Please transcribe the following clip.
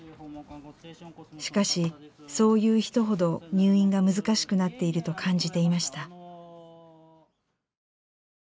しかしそういう人ほど入院が難しくなっていると感じていました。